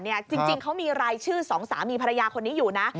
จริงเขามีรายชื่อสองสามีภรรยาคนนี้อยู่นะ